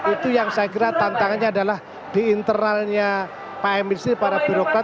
itu yang saya kira tantangannya adalah di internalnya pmi para birokrat